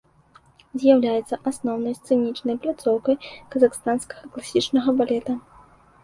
З'яўляецца асноўнай сцэнічнай пляцоўкай казахстанскага класічнага балета.